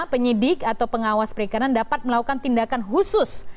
penyidik atau pengawas perikanan dapat melakukan tindakan khusus